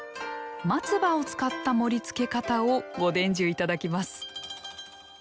松葉を使った盛り付け方をご伝授頂きます